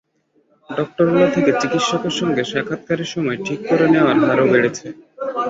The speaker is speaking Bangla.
ডক্টরোলা থেকে চিকিৎসকের সঙ্গে সাক্ষাৎকারের সময় ঠিক করে নেওয়ার হারও বেড়েছে।